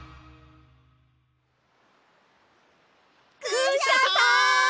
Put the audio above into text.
クシャさん！